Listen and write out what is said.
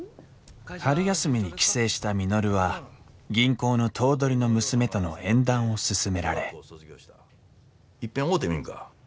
春休みに帰省した稔は銀行の頭取の娘との縁談を勧められいっぺん会うてみんか？